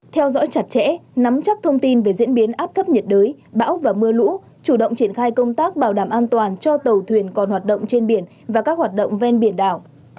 theo dõi chặt chẽ nắm chắc thông tin về diễn biến áp thấp nhiệt đới bão và mưa lũ chủ động triển khai công tác bảo đảm an toàn cho tàu thuyền còn hoạt động trên biển và các hoạt động ven biển đảo